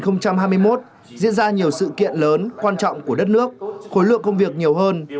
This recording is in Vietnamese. năm hai nghìn hai mươi một diễn ra nhiều sự kiện lớn quan trọng của đất nước khối lượng công việc nhiều hơn